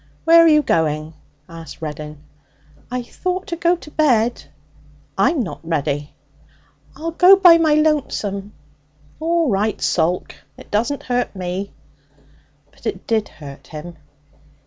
'Where are you going?' asked Reddin. 'I thought to go to bed.' 'I'm not ready.' 'I'll go by my lonesome.' 'All right, sulk! It doesn't hurt me.' But it did hurt him.